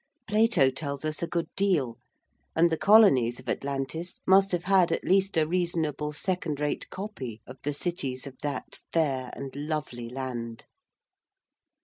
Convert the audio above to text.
Plato tells us a good deal, and the Colonies of Atlantis must have had at least a reasonable second rate copy of the cities of that fair and lovely land.